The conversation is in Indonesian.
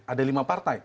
ada lima partai